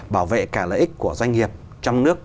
bảo vệ cả lợi ích của doanh nghiệp trong nước